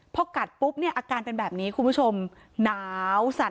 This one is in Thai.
พอกัดปุ๊บเนี่ยอาการเป็นแบบนี้คุณผู้ชมหนาวสั่น